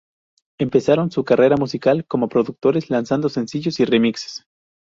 Empezaron su carrera musical como productores lanzando sencillos y remixes.